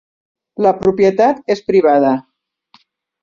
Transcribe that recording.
La propietat és privada.